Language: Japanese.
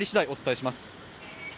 お伝えします。